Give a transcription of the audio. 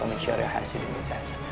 wa min syari hasilin